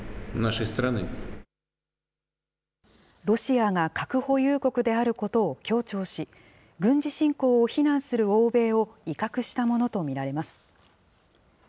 ロシアが核保有国であることを強調し、軍事侵攻を非難する欧米を威嚇したものと見られます。